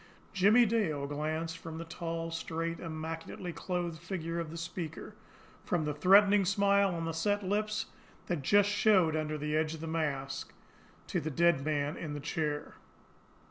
Jimmie Dale glanced from the tall, straight, immaculately clothed figure of the speaker, from the threatening smile on the set lips that just showed under the edge of the mask, to the dead man in the chair.